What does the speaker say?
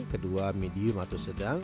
kedua medium atau sedang